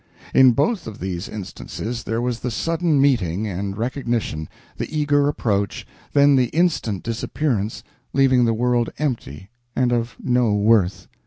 In both of these instances there was the sudden meeting and recognition, the eager approach, then the instant disappearance, leaving the world empty and of no worth.